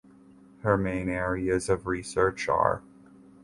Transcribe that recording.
Her main areas of research are.